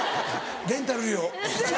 レンタル料。